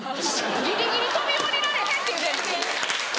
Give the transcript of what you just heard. ギリギリ飛び降りられへんって言うてる！